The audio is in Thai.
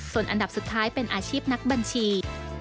ส่วนอันดับสุดท้ายเป็นอาชีพนักบัญชี